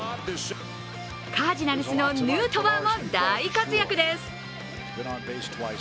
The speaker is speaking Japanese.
カージナルスのヌートバーも大活躍です。